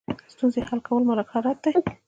ستونزې حل کول مهارت دی